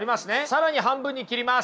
更に半分に切ります。